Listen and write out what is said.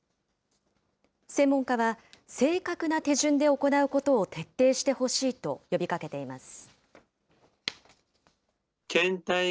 専門家は、正確な手順で行うことを徹底してほしいと呼びかけています。